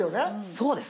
そうです。